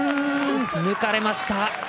抜かれました。